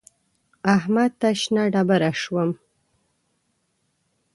احمد ته شنه ډبره شوم.